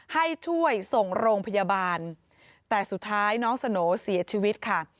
ให้ช่วยส่งโรงพยาบาลแต่สุดท้ายน้องสโหน่เสียชีวิตค่ะ